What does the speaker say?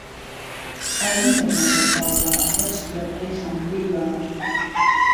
ئاوری له دڵم بهرداوه وهک سووره گوڵی خهمڵیوه